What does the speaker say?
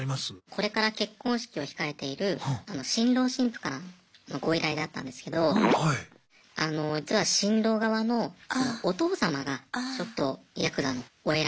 これから結婚式を控えている新郎新婦からのご依頼だったんですけどあの実は新郎側のお父様がちょっとヤクザのお偉